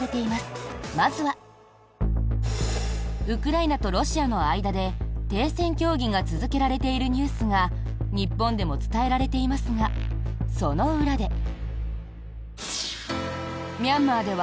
ウクライナとロシアの間で停戦協議が続けられているニュースが日本でも伝えられていますがその裏で。